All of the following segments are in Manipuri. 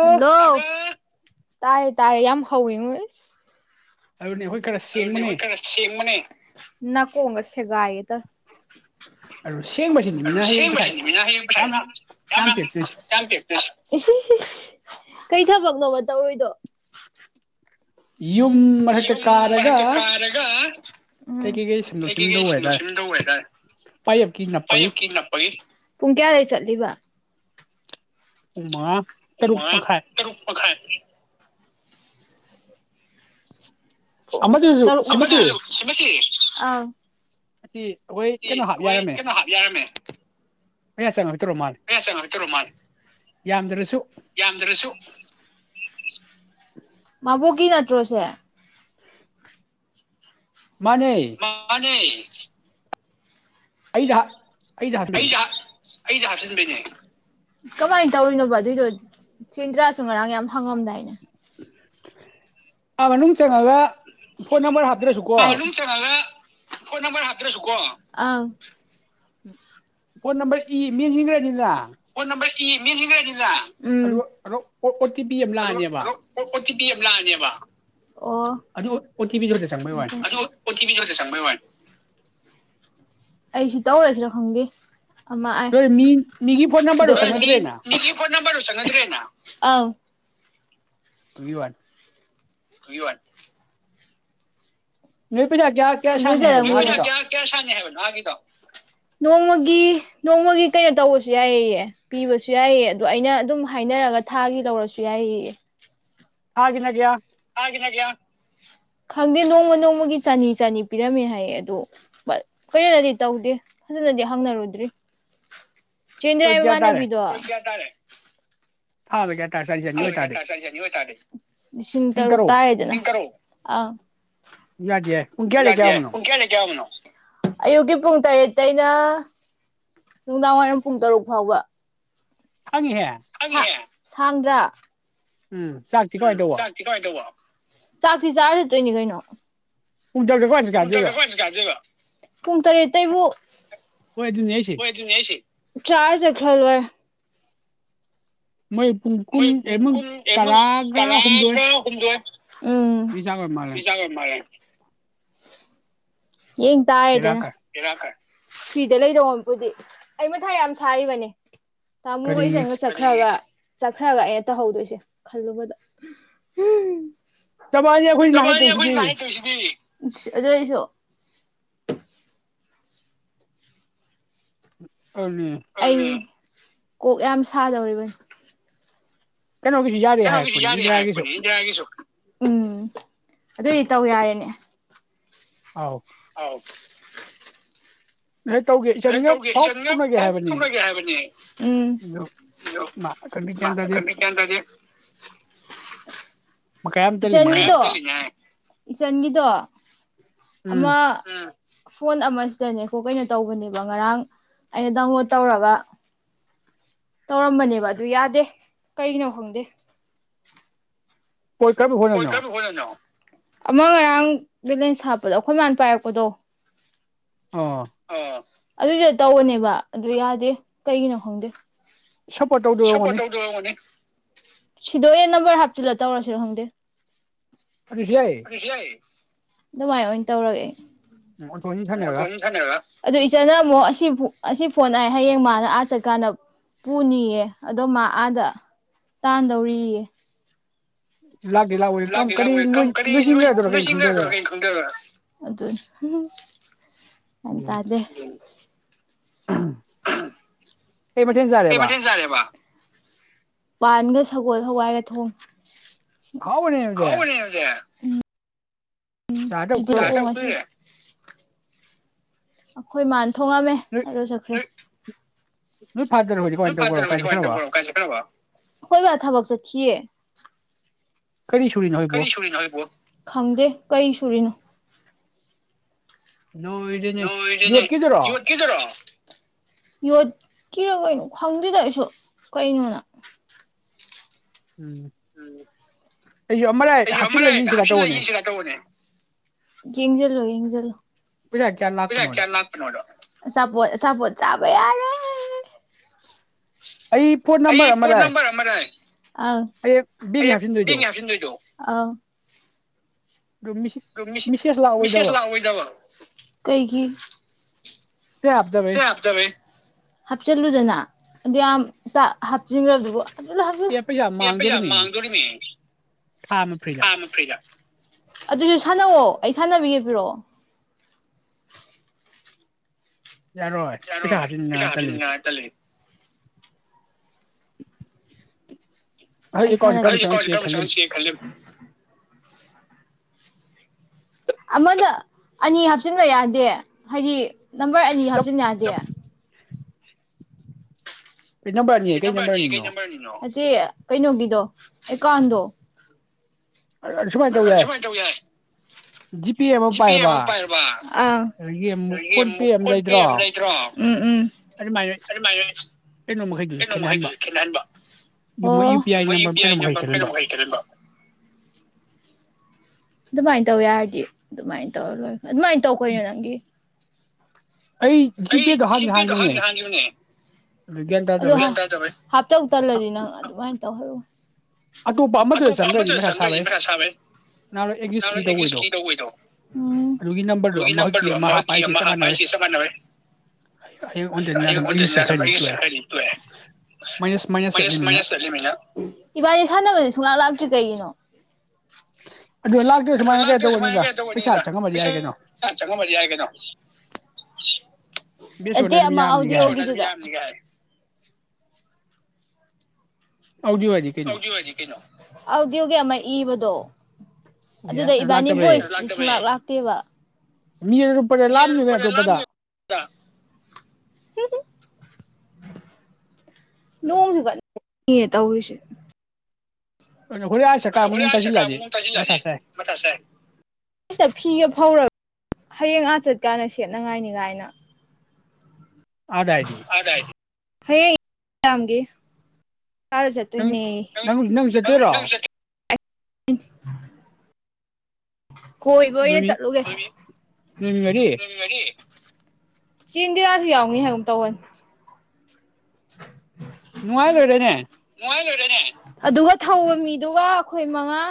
ꯍꯜꯂꯣ ꯇꯥꯏ ꯇꯥꯏꯌꯦ ꯌꯥꯝ ꯍꯧꯋꯤ ꯃꯣꯏꯁ ꯑꯗꯨꯅꯦ ꯑꯩꯈꯣꯏ ꯀꯔ ꯁꯦꯡꯕꯅꯦ ꯀꯣꯡꯁꯦꯒꯑ ꯑꯗꯨ ꯁꯦꯡꯕꯁꯤ ꯅꯨꯃꯤꯅ ꯍꯌꯦꯡ ꯄꯁꯥꯏꯗ ꯌꯥꯝꯅ ꯌꯥꯝ ꯄꯦꯛꯇ ꯀꯩ ꯊꯕꯛꯅꯣꯕ ꯇꯧꯔꯣꯏꯏꯗꯣ ꯌꯨꯝ ꯃꯔꯛꯇ ꯀꯥꯏꯔꯒ ꯎꯝ ꯀꯩꯀꯩ ꯀꯩ ꯁꯤꯟꯗꯣꯛꯟ ꯇꯧꯦ ꯍꯥꯏꯇꯥꯔꯦ ꯄꯥꯏꯌꯞꯀꯤ ꯅꯞꯄꯒꯤ ꯄꯨꯡ ꯀꯌꯥꯗꯒꯤꯩ ꯆꯠꯂꯤꯕ ꯎꯃ ꯎꯃ ꯀꯔꯨꯃ ꯈꯥꯏ ꯁꯤꯃꯕꯁꯤ ꯑ ꯑꯩꯈꯣꯏ ꯀꯩꯅꯣ ꯍꯥꯞ ꯌꯥꯔꯝꯃꯦ ꯑ ꯁꯉ ꯃ ꯆꯪꯉꯛꯇꯔꯣ ꯃꯥꯂ ꯌꯥꯝꯗ꯭ꯔꯁꯨꯕꯣꯛ ꯀ ꯅꯠꯇ꯭ꯔꯣꯁꯦ ꯃꯥꯅꯦ ꯑꯩꯗ ꯑꯩ ꯖꯍꯖ ꯑꯩꯆ ꯀꯃꯥꯏꯅ ꯇꯧꯔꯤꯅꯣꯕ ꯑꯗꯨꯏꯗꯣ ꯁꯦꯟꯗ꯭ꯔꯥꯁꯨ ꯉꯔꯥꯡ ꯌꯥꯝ ꯐꯪꯉꯝꯗꯥꯏꯅꯦ ꯃꯅꯨꯡ ꯆꯪꯉꯒ ꯐꯣꯟ ꯅꯝꯕꯔ ꯍꯥꯞꯇ꯭ꯔꯁꯨꯀꯣ ꯍꯣꯏ ꯅꯝꯕꯔ ꯍꯥꯇ꯭ꯔꯁꯨꯀꯣ ꯑ ꯐꯣꯟ ꯅꯝꯕꯔ ꯏ ꯃꯤꯁꯤꯈ꯭ꯔꯅꯤꯅ ꯑꯣ ꯅꯝꯕꯔ ꯏ ꯃꯤꯁꯤꯡꯒ ꯍꯥꯏꯅꯤꯂ ꯎ ꯂꯅꯤꯕ ꯑꯣ ꯎ ꯑꯪꯕꯩ ꯋꯥꯅꯤ ꯑꯩꯁꯨ ꯇꯧꯔꯁꯤꯔ ꯈꯪꯗꯦ ꯑ ꯑꯦ ꯐꯣꯟ ꯅ꯭ꯔꯦ ꯑꯥꯎ ꯇꯨꯡ ꯋꯥ ꯌ ꯋꯥꯟ ꯅ ꯖ ꯀꯌꯥ ꯀꯌꯥ ꯁꯉ ꯍꯥꯏꯕꯒꯗ ꯅꯣꯡꯃꯒꯤ ꯅꯣꯡꯃꯒꯤ ꯀꯩꯅꯣ ꯇꯧꯕꯁꯨ ꯌꯥꯏꯌꯦꯌꯦ ꯄꯤꯕꯁꯨ ꯌꯥꯏꯑ ꯑꯗꯣ ꯑꯩꯅ ꯑꯗꯨꯝ ꯍꯥꯏꯅꯔꯒ ꯊꯥꯒꯤ ꯂꯧꯔꯁꯨ ꯌꯥꯏꯌꯦꯌꯦ ꯍꯥꯏ ꯅꯖ ꯈꯪꯗꯦ ꯅꯣꯡꯃ ꯅꯣꯡꯃꯒꯤ ꯆꯅꯤ ꯆꯥꯅꯤ ꯄꯤꯔꯝꯃꯦ ꯍꯥꯏꯌꯦ ꯑꯗꯨꯗꯣ ꯐꯣꯏꯔꯅꯗꯤ ꯇꯧꯗꯦ ꯐꯖꯅꯗꯤ ꯍꯪꯅꯔꯨꯗ꯭ꯔꯤ ꯆꯦꯟꯗ꯭ꯔ ꯃꯥꯅꯕꯤꯗꯣ ꯍꯥꯎꯕ ꯌꯥꯦ ꯦ ꯑ ꯌꯥꯨꯡꯌꯥꯌꯥꯅꯣ ꯑꯌꯨꯛꯀꯤ ꯄꯨꯡ ꯇꯔꯦꯠ ꯑꯇꯩꯩꯅ ꯅꯨꯡꯗꯥꯡꯋꯥꯏꯔꯝ ꯄꯨꯡ ꯇꯔꯨꯛ ꯐꯥꯎꯕ [unintelligible] ꯁꯥꯡꯗ꯭ꯔꯥ ꯎꯝ ꯆꯥꯛꯇꯤ ꯀꯃꯥꯏ ꯇꯧꯕ ꯆꯥꯛꯁꯤ ꯆꯥꯔꯠꯇꯣꯏꯅꯤ ꯀꯩꯅꯣ ꯄꯨꯡ ꯇꯔꯦꯕꯨ ꯆꯠꯈ꯭ꯔꯣꯏ ꯃꯣꯏ ꯄꯨꯡ ꯀꯨꯟ ꯑꯃ ꯇꯔꯥꯒ ꯍꯨꯝꯗ꯭ꯔꯦ ꯎ ꯃꯥꯂꯦ ꯌꯦꯡ ꯇꯥꯥꯏꯗꯅ ꯐꯤꯗ ꯂꯩꯗꯧ ꯃꯄꯨꯗꯤ ꯑꯩ ꯃꯊꯥꯏ ꯌꯥꯝ ꯁꯥꯔꯤꯕꯅꯦ ꯇꯥꯃꯣ ꯑꯩ ꯆꯪꯉ ꯆꯈ꯭ꯔꯒ ꯆꯠꯈ꯭ꯔꯒ ꯑꯩꯅ ꯇꯧꯍꯧꯗꯣꯏꯁꯦ ꯈꯜꯂꯨꯕꯗ ꯣꯏ ꯂꯅꯤ ꯀꯁꯣ ꯑ ꯀꯣꯛ ꯌꯥꯝ ꯁꯥꯗꯧꯔꯤꯕꯅꯤ ꯀꯩꯅꯣꯁꯤ ꯌꯥꯔꯤꯦ ꯍꯥꯏꯄꯅꯤꯒ ꯁ ꯑꯗꯨꯏꯗꯤ ꯇꯧ ꯌꯥꯔꯦꯅꯦ ꯑꯥꯎ ꯑ ꯇꯧꯒꯦ ꯏꯁꯆꯟꯒ ꯐꯥꯎ ꯊꯣꯛꯂꯒꯦ ꯍꯥꯏꯕꯅꯦ ꯎ ꯑ ꯀꯌꯥꯗꯅꯤ ꯏꯆꯟꯒꯤꯗꯣ ꯏꯆꯟꯒꯤꯗꯣ ꯑꯃꯃ ꯐꯣꯟ ꯑꯃꯁꯤꯗꯅꯦꯀꯣ ꯀꯩꯅꯣ ꯇꯧꯕꯅꯦꯕ ꯉꯔꯥꯡ ꯑꯩꯅ ꯗꯥꯎꯟꯂꯣꯗ ꯇꯧꯔꯒ ꯇꯧꯔꯝꯕꯅꯦꯕ ꯑꯗꯨ ꯌꯥꯗꯦ ꯀꯩꯒꯤꯅꯣ ꯈꯪꯗꯦ ꯑꯩꯣꯏ ꯀꯃꯤ ꯍꯖꯅ ꯑꯃ ꯉꯔꯥꯡ ꯚꯦꯂꯦꯟꯁ ꯍꯥꯞꯄꯗꯣ ꯑꯩꯈꯣꯏ ꯃꯥꯟ ꯄꯥꯏꯔꯛꯄꯗꯣ ꯑꯥ ꯑꯗꯨꯗꯨꯗ ꯇꯧꯕꯅꯦꯕ ꯑꯗꯨ ꯌꯥꯗꯦ ꯀꯩꯒꯤꯅꯣ ꯈꯪꯗꯦ ꯁꯞꯄꯣꯔꯠ ꯇꯧꯗꯒꯅꯤ ꯁꯤꯗꯣ ꯌꯦ ꯅꯝꯕꯔ ꯍꯥꯞꯆꯂ ꯇꯧꯔꯁꯤꯔꯣ ꯈꯪꯗꯦ ꯀ ꯁꯤꯌꯥꯏ ꯑꯗꯨꯃꯥꯏꯅ ꯑꯣꯏꯅ ꯇꯧꯔꯒꯦ ꯑꯗꯨ ꯏꯆꯥꯅ ꯑꯃꯨꯛ ꯑꯁꯤ ꯑꯁꯤ ꯐꯣꯟ ꯍꯌꯦꯡ ꯃꯥꯅ ꯑꯥ ꯆꯠꯀꯥꯟꯗ ꯄꯨꯅꯤꯌꯦ ꯑꯗꯣ ꯃꯥ ꯑꯥꯗ ꯇꯥꯟꯗꯧꯔꯤꯌꯦ ꯂꯥꯛꯒꯦ ꯂꯥꯛꯑꯣꯒ ꯀꯔꯤꯣꯏꯟꯒꯦꯣ ꯑ ꯇꯗꯦ ꯎ [unintelligible] ꯑꯩꯃꯊ ꯆꯥꯔꯦꯕ ꯄꯥꯟꯒ ꯁꯒꯣꯜ ꯍꯋꯥꯏꯒ ꯊꯣꯡ ꯍꯥꯎꯕꯅꯤꯗꯦ ꯎꯝ ꯎꯝꯗ ꯑꯩꯈꯣꯏ ꯃꯥꯟ ꯊꯣꯡꯉꯝꯃꯦ ꯑꯗꯨ ꯆꯠꯈ꯭ꯔꯦ ꯍꯣꯏꯕ ꯊꯕꯛ ꯆꯠꯈꯤꯌꯦ ꯀꯔꯤ ꯁꯔꯤꯅꯣ ꯈꯪꯗꯦ ꯀꯔꯤ ꯁꯨꯔꯤꯅꯣ ꯅꯣꯏ ꯏꯗꯅꯦ ꯏꯠ ꯀꯗꯔꯣ ꯌꯣꯠꯈꯤꯔꯒꯩꯅꯣ ꯈꯪꯗꯣꯏꯗꯁꯨ ꯀꯩꯅꯣꯅ ꯎ ꯑꯩꯁꯨ ꯌꯦꯡꯁꯤ ꯇꯧꯕꯅꯦ ꯌꯦꯡꯁꯤꯜꯂ ꯌꯦꯅꯣꯄꯣ ꯆꯕꯩ ꯑꯔ ꯑꯩ ꯐꯣꯟ ꯅꯝꯕꯔ ꯑꯃꯔꯥꯏ ꯑ ꯑꯩ ꯍꯥꯞꯁꯤꯟꯗꯣꯏꯗꯣ ꯑꯥꯎ ꯃꯤꯁꯦꯁ ꯂꯥꯛꯑꯣꯏꯗꯕ ꯀꯩꯒꯤ [unintelligible] ꯍꯥꯞꯆꯜꯂꯨꯗꯅꯥ ꯑꯗꯨ ꯌꯥꯝ ꯆ ꯍꯥꯞꯆꯤꯟꯈ꯭ꯔꯗꯨꯕꯨ ꯑꯦ ꯄꯩꯁꯥ ꯃꯥꯡꯗꯧꯔꯤꯅꯦ ꯊꯥꯝ ꯐ꯭ꯔꯤꯗ ꯑꯗꯨꯁꯨ ꯁꯥꯟꯅꯧꯑꯣ ꯑꯩ ꯁꯥꯟꯅꯕꯤꯒꯦ ꯄꯤꯔꯛꯑꯣ ꯌꯥꯔꯣꯏ ꯄꯩꯁꯥ ꯍꯥꯞꯆꯤꯟꯉꯥꯏ ꯇꯜꯂꯤ ꯑꯩ ꯏꯁꯥꯅ ꯑꯩ ꯑꯦꯀꯥꯎꯟꯁꯤ ꯀꯔꯝꯕ ꯆꯪꯍꯟꯁꯤꯒꯦ ꯈꯜꯂꯤꯝꯅꯤ ꯑꯃꯗ ꯑꯅꯤ ꯍꯥꯞꯆꯤꯟꯕ ꯌꯥꯗꯦ ꯍꯥꯏꯗꯤ ꯅꯝꯕꯔ ꯑꯅꯤ ꯍꯥꯞꯆꯤꯟ ꯌꯥꯗꯦ [unintelligible] ꯍꯥꯏꯖꯤ ꯀꯩꯅꯣꯒꯤꯗꯣ ꯑꯦꯀꯥꯎꯟꯗꯣ ꯁꯨꯃꯥꯏ ꯇꯧ ꯌꯥꯏ ꯖꯤꯄꯦ ꯑꯃ ꯄꯥꯏꯔꯕ ꯑꯗꯒꯤ ꯑꯃꯨꯛ ꯐꯣꯟ ꯄꯦ ꯑꯃ ꯂꯩꯇ꯭ꯔꯣ ꯎꯝ ꯑꯗꯨꯃꯥꯏ ꯀꯩꯅꯣ ꯃꯈꯩꯗꯨꯁꯨ ꯈꯦꯠꯅꯍꯟꯕ ꯌꯨ ꯄꯤ ꯑꯥꯏ ꯅꯝꯕꯔ ꯀꯩꯅꯣ ꯃꯈꯩ ꯈꯦꯠꯅꯍꯟꯕ ꯑꯗꯨꯃꯥꯏꯅ ꯇꯧ ꯌꯥꯔꯗꯤ ꯑꯗꯨꯃꯥꯏꯅ ꯇꯧꯔ ꯂꯣꯏ ꯑꯗꯨꯃꯥꯏ ꯇꯧ ꯀꯩꯅꯣ ꯅꯪꯒꯤ ꯑꯩ ꯖꯤꯄꯦꯗꯣ ꯍꯥꯡꯗꯤ ꯍꯥꯡꯒꯤꯕꯅꯦ ꯒ꯭ꯌꯥꯟ ꯇꯥꯗꯕ ꯑꯩ ꯍꯥꯞꯇꯧ ꯇꯜꯂꯗꯤ ꯅꯪ ꯑꯗꯨꯃꯥꯏ [unintelligible] ꯑꯇꯣꯞꯄ ꯑꯃꯇꯗ ꯆꯪꯈ꯭ꯔꯗꯤ ꯃꯁꯥ ꯁꯥꯕꯩ ꯅꯪ ꯑꯦꯛꯖꯤꯁ ꯀꯤ ꯇꯧꯕꯩꯗꯣ ꯑꯗꯨꯒꯤ ꯅꯝꯕꯔꯗꯣ ꯑꯃ ꯀꯤ ꯑꯃ ꯍꯥꯞꯄ ꯍꯥꯏꯁꯤ ꯆꯞ ꯃꯥꯟꯅꯔꯦ ꯑꯩꯉꯣꯟꯗꯅꯤꯅ ꯑꯗꯨꯝ ꯑꯩ ꯆꯠꯈꯗꯤ ꯇꯣꯛꯑꯦ ꯃꯥꯏꯁ ꯃꯥꯏꯅꯁ ꯆꯠꯂꯤꯃꯤꯅ [unintelligible] ꯁꯨꯡꯂꯥꯛ ꯂꯥꯛꯇ꯭ꯔꯤ ꯀꯩꯒꯤꯅꯣ ꯑꯗꯨ ꯂꯥꯛꯇꯦ ꯁꯨꯃꯥꯏꯅ ꯀꯩ ꯇꯧꯕꯅꯤꯗ ꯄꯩꯁꯥ ꯆꯪꯉꯝꯃꯗꯤ ꯌꯥꯏ ꯀꯩꯅꯣ ꯑꯠꯇꯦ ꯑꯃ ꯑꯥꯎꯗꯤꯌꯣ ꯒꯤꯗꯨꯗ ꯑꯧꯗꯤꯌꯣ ꯍꯥꯏꯗꯤ ꯀꯩꯅꯣ ꯑꯧꯗꯤꯌꯣꯒꯤ ꯑꯃ ꯏꯕꯗꯣ ꯗꯣ ꯑꯗꯨꯗ ꯏꯕꯥꯅꯤ ꯕꯣꯏꯁ ꯁꯨꯡꯂꯥꯛ ꯂꯥꯛꯇꯦꯕ ꯃꯤꯔꯨꯄꯔꯦ ꯂꯥꯕꯅꯤ ꯀꯩꯅꯣ ꯑꯇꯣꯞꯄꯗ ꯅꯣꯡꯁꯨ ꯀꯌꯦ ꯇꯧꯔꯤꯁꯦ ꯍꯨꯥꯁꯤꯜꯂꯛꯑ ꯁꯥꯏ ꯐꯤꯒ ꯐꯔꯒ ꯍꯌꯦꯡ ꯑꯥ ꯆꯠꯀꯥꯟꯅ ꯁꯦꯠꯅꯉꯥꯏꯅꯤꯉꯥꯏꯅ ꯗꯥ ꯍꯌꯦ ꯌꯥꯝꯝꯒꯦ ꯀ ꯆ ꯇꯣꯏꯅꯦ ꯀꯣꯏꯕ ꯑꯩꯅ ꯆꯠꯂꯨꯒꯦ ꯆꯦꯡꯗꯔꯥꯁꯨ ꯌꯥꯎꯅꯤ ꯍꯥꯏꯨꯛ ꯇꯧꯧꯕꯅꯤ ꯅꯨꯡꯉꯥꯏꯈꯔꯦꯅꯦ ꯑꯗꯨꯒ ꯊꯧꯕ ꯃꯤꯗꯨꯒ ꯑꯩꯈꯣꯏ ꯃꯉꯥ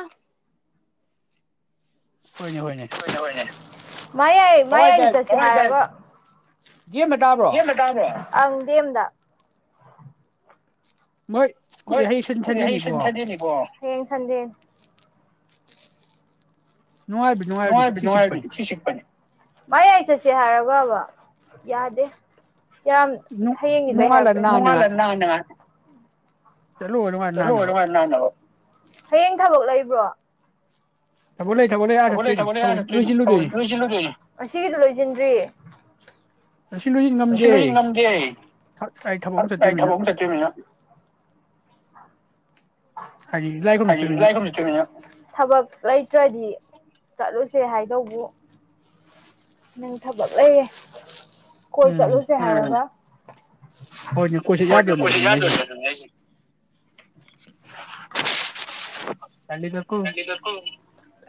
ꯍꯅꯦ ꯍꯣꯏꯅꯦ ꯃꯌꯥꯏ ꯃꯌꯥꯅꯤ ꯆ ꯖꯤꯃꯦ ꯇꯥꯕ꯭ꯔꯣ ꯑꯪ ꯗꯦꯝꯦꯝꯗ ꯍꯣꯏ ꯍꯩꯁ ꯁꯟꯗꯦꯅꯤꯀꯣ ꯍꯌꯦꯡ ꯅꯨꯡꯉꯥꯏꯕꯤ ꯅꯨꯡꯉꯥꯏꯕꯤ ꯁꯤꯛꯄꯅꯦ ꯁ ꯍꯥꯏꯔꯒꯕ ꯌꯥꯗꯦ ꯌꯥꯝ ꯍꯌꯦꯡꯒꯤꯗ ꯍꯥꯏ ꯅꯉꯥ ꯆꯂꯣ ꯍꯔꯃꯔ ꯂ ꯅꯋꯥꯣ ꯍꯌꯦꯡ ꯊꯕꯛ ꯂꯩꯕ꯭ꯔꯣ ꯊ ꯊꯣꯏꯣꯏꯔꯤ ꯑꯁꯤꯣꯏꯁꯤ ꯉꯗꯦ ꯊꯛ ꯆꯠꯇꯣꯏ ꯊꯕꯛ ꯂꯩꯇ꯭ꯔꯗꯤ ꯆꯠꯂꯨꯁꯦ ꯍꯥꯏꯗꯧꯕ ꯅꯪ ꯊꯕꯛ ꯂꯩꯌꯦꯦ ꯀꯣꯏ ꯆꯂꯁ ꯍꯥꯏ ꯐꯔꯦ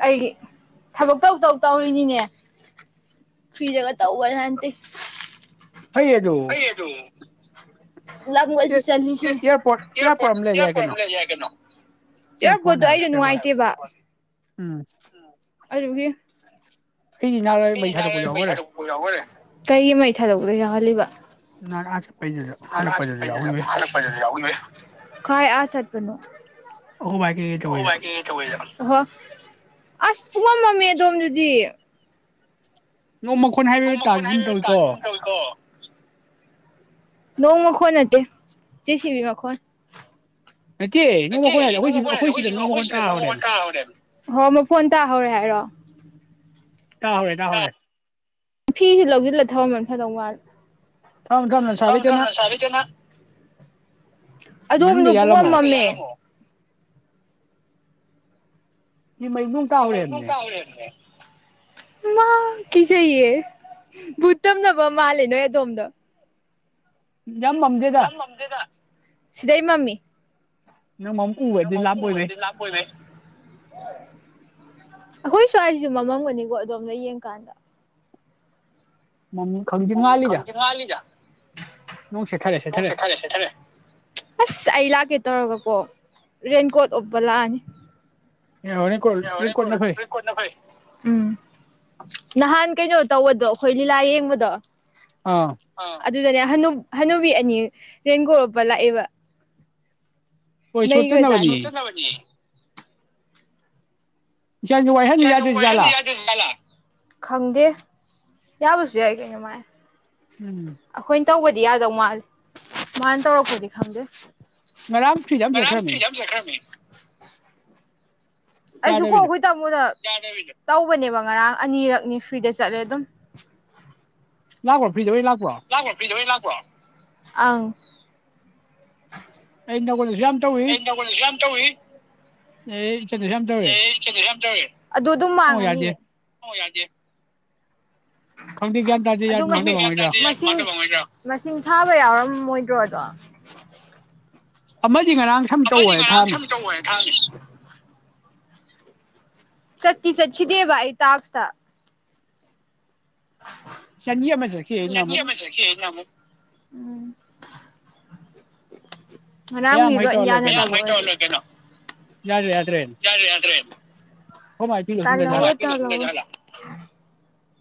ꯑꯩꯒꯤ ꯊꯕ ꯇꯧ ꯇꯧ ꯇꯧꯔꯤꯅꯤꯅꯦ ꯐꯤꯖꯒ ꯇ ꯎ ꯊꯇꯦ ꯑ ꯑꯗꯨ ꯂꯝꯁꯤ ꯆꯁꯌꯥꯔꯄꯣꯔꯠꯇꯣ ꯑꯩꯩꯅ ꯅꯨꯡꯉꯥꯏꯇꯦꯕ ꯑꯔꯒꯤ ꯊꯥꯗ ꯀꯩꯒꯤ ꯃꯩ ꯊꯥꯗꯣꯛ ꯑꯍꯂꯕ ꯑ ꯑ ꯑꯩꯅ ꯌꯥꯎ ꯍꯣꯏ ꯑ ꯆꯠ ꯔꯅꯣ ꯑꯣꯏꯡ ꯆꯖ ꯑꯁ ꯄꯉꯝꯃꯝꯃꯦ ꯑꯗꯣꯝꯗꯨꯗꯤ ꯅꯣꯡ ꯃꯈꯣꯟ ꯍꯥꯏꯕꯤꯕ ꯇꯥꯒ ꯑꯗꯨꯝ ꯇꯧꯏꯀꯣ ꯅꯧ ꯃꯈꯣꯟꯣꯟꯠꯇ ꯦꯁꯤꯕꯤ ꯃꯈꯣꯟꯣꯟ ꯦꯃ ꯀꯈꯈꯣꯏꯗ ꯅꯣꯡꯃ ꯀ ꯇꯥꯅꯦ ꯍꯧꯔꯦ ꯍꯥꯏꯔꯣ ꯌꯥꯣꯏ ꯇ ꯍꯦ ꯐꯤꯁꯨ ꯂꯧꯁꯤꯜꯂ ꯊꯧꯕꯃꯜ ꯈꯔꯗꯧ ꯋꯥꯠꯂꯦ ꯑꯗꯣꯝꯗ ꯄꯨꯡ ꯑꯃꯝꯃꯝꯃꯦ ꯃꯩ ꯃ ꯇꯥ ꯍꯧꯦ ꯑꯦꯝꯃꯦ ꯃꯥ ꯀꯤꯖꯩꯌꯦ ꯕꯨ ꯇꯝꯅꯕ ꯃꯥꯜꯂꯦ ꯅꯣꯏ ꯑꯗꯣꯝꯗ ꯌꯥꯝ ꯃꯝꯗꯦꯗ ꯁꯤꯗꯩ ꯃꯃꯤ ꯃꯝꯄ ꯂꯥꯛꯄꯕ ꯑꯩꯈꯣꯏ ꯁ꯭ꯋꯥꯏꯁꯤꯦ ꯃꯃꯝꯒꯅꯤꯀꯣ ꯑꯗꯣꯝꯅ ꯌꯦꯡꯀꯥꯟꯗ ꯃꯦꯦꯅꯦ ꯑ ꯂꯒꯦ ꯇꯧꯔꯒꯀꯣ ꯔꯦꯟꯀꯣꯠ ꯎꯞꯄ ꯂꯥꯛꯑꯅꯤ ꯌꯥꯣꯣ ꯅ ꯐꯥꯏ ꯅꯍꯥꯟ ꯀꯩꯅꯣ ꯇꯧꯕꯗꯣ ꯑꯩꯈꯣꯏ ꯂꯤꯂꯥ ꯌꯦꯡꯕꯗꯣ ꯑꯥ ꯑꯗꯨꯗꯅꯦ ꯍꯅꯨꯕꯤ ꯑꯅꯤ ꯔꯦꯡꯒꯣꯣꯔꯄ ꯂꯥꯛꯑꯦꯕ ꯅꯒꯖ ꯈꯪꯗꯦ ꯌꯥ ꯄꯨꯁꯨ ꯌꯥꯏ ꯀꯩꯅ ꯃꯥꯥꯏ ꯎꯝ ꯇꯧꯕꯗꯤ ꯌꯥꯗꯧ ꯃꯥꯂꯦ ꯃꯥꯅ ꯇꯧꯔꯛꯄꯗꯤ ꯈꯪꯗꯦ ꯉꯔꯝꯁꯤ ꯌꯥꯝꯝ ꯁꯦꯈꯔꯃꯤ [unintelligible] ꯑꯩꯁꯨ ꯀꯣ ꯑꯩꯈꯣꯏ ꯇꯥꯃꯣꯅ ꯇꯧꯕꯅꯦꯕ ꯉꯔꯥꯡ ꯑꯅꯤꯔꯛꯅꯤ ꯐ꯭ꯔꯤꯗ ꯆꯠꯂꯦ ꯑꯗꯨꯝ ꯂꯥꯛꯄꯣ ꯐꯤꯖꯕ ꯂꯥꯛ [unintelligible] ꯑꯪ ꯑꯩ ꯅꯈꯣꯟꯅꯁꯨ ꯌꯥꯝ ꯇꯧꯏ ꯑꯦ ꯑꯗꯨ ꯑꯗꯨꯝ ꯃꯥꯡꯉꯅꯤ ꯌꯥꯗꯤ ꯑꯗꯨ ꯃꯁꯤꯡ ꯃꯁꯤꯡ ꯊꯥꯕ ꯌꯥꯎꯔꯝꯃꯣꯏꯗ꯭ꯔꯣꯗꯣ [unintelligible] ꯑꯃ ꯑꯃꯗꯤ ꯉꯥꯔꯥꯡ ꯁꯃꯤꯠ ꯇꯧ ꯊꯥꯝꯃꯤ ꯆꯠꯇꯤ ꯆꯠꯈꯤꯗꯦꯕ ꯑꯩ ꯇꯁꯇ [unintelligible] [unintelligible] [unintelligible] [unintelligible]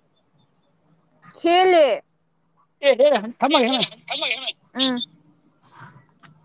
ꯍꯦꯜꯂꯦ ꯑꯦ ꯊꯃꯒ [unintelligible]